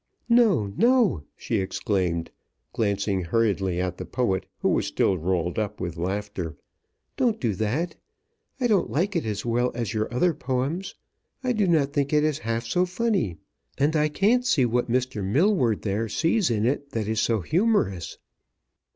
"No! no!" she exclaimed, glancing hurriedly at the poet, who was still rolled up with laughter. "Don't do that. I don't like it as well as your other poems. I do not think it is half so funny, and I can't see what Mr. Milward there sees in it that is so humorous."